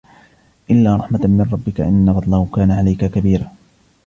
إلا رحمة من ربك إن فضله كان عليك كبيرا